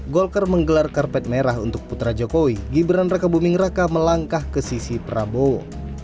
golkar menggelar karpet merah untuk putra jokowi gibran raka buming raka melangkah ke sisi prabowo